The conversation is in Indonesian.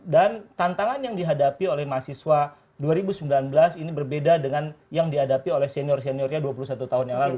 tantangan yang dihadapi oleh mahasiswa dua ribu sembilan belas ini berbeda dengan yang dihadapi oleh senior seniornya dua puluh satu tahun yang lalu